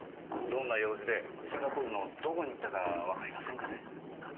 どんな用事でシンガポールのどこに行ったかわかりませんかね？